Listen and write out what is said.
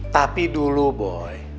tapi dulu boy